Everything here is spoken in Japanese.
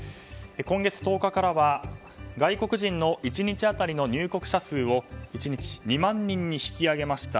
今月１０日からは外国人の１日当たりの入国者数を１日２万人に引き上げました。